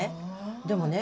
でもね